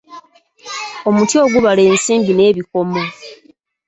Omuti ogubala ensimbi n'ebikomo.